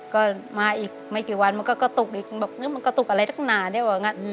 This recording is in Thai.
ก็มาอีกไม่กี่วันมันก็กระตุกอีกบอกนึงมันกระตุกอะไรนักหนาได้ว่างั้น